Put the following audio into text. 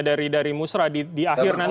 dari musrah di akhir nanti